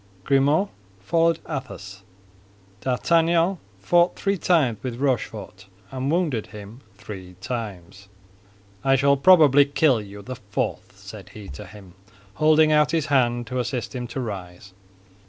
Grimaud followed Athos. D'Artagnan fought three times with Rochefort, and wounded him three times. "I shall probably kill you the fourth," said he to him, holding out his hand to assist him to rise.